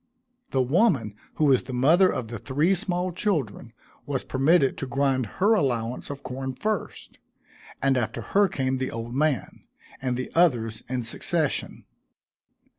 The woman who was the mother of the three small children, was permitted to grind her allowance of corn first, and after her came the old man, and the others in succession.